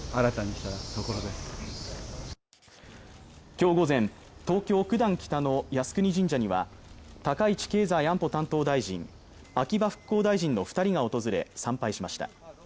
今日午前東京・九段北の靖国神社には高市経済安保担当大臣秋葉復興大臣の二人が訪れ参拝しました